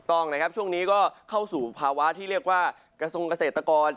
ต้องนะครับช่วงนี้ก็เข้าสู่ภาวะที่เรียกว่ากระทรงเกษตรกร